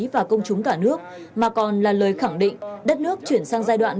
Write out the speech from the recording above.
và công chúng cả nước mà còn là lời khẳng định đất nước chuyển sang giai đoạn